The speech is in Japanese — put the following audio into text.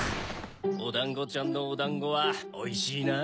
おだんごちゃんのおだんごはおいしいな。